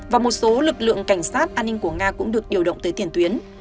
và một số lực lượng cảnh sát an ninh của nga cũng được điều động tới thiền tuyến